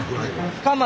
深町？